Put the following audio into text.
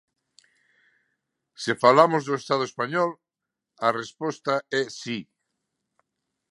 Se falamos do Estado español, a resposta é si.